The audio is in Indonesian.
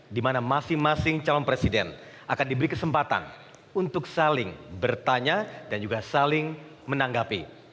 di mana masing masing calon presiden akan diberi kesempatan untuk saling bertanya dan juga saling menanggapi